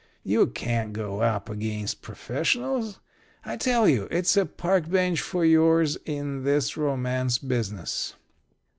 You can't go up against the professionals. I tell you, it's a park bench for yours in this romance business."